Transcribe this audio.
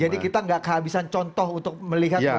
jadi kita gak kehabisan contoh untuk melihat